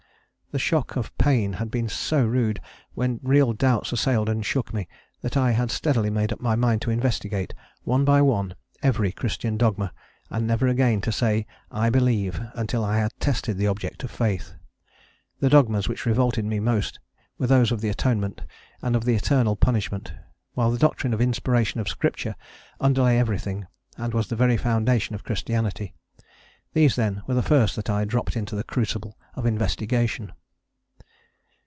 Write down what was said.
The shock of pain had been so! rude when real doubts assailed and shook me, that I had steadily made up my mind to investigate, one by one, every Christian dogma, and never again to say "I believe" until I had tested the object of faith; the dogmas which revolted me most were those of the Atonement and of Eternal Punishment, while the doctrine of Inspiration of Scripture underlay everything, and was the very foundation of Christianity; these, then, were the first that I dropped into the crucible of investigation.